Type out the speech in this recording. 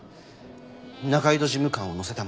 仲井戸事務官を乗せたまま。